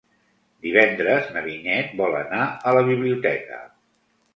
Divendres na Vinyet vol anar a la biblioteca.